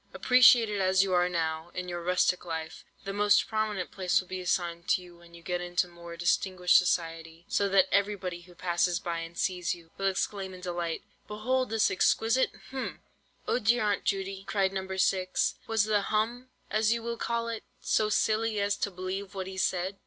Appreciated as you are now in your rustic life, the most prominent place will be assigned to you when you get into more distinguished society; so that everybody who passes by and sees you, will exclaim in delight, 'Behold this exquisite—hm—!'" "Oh dear, Aunt Judy," cried No. 6, "was the 'hum,' as you will call it, so silly as to believe what he said?"